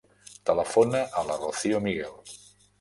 Telefona a la Rocío Miguel.